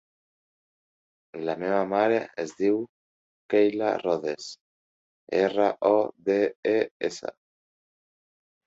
La meva mare es diu Keyla Rodes: erra, o, de, e, essa.